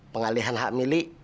pengalihan hak milik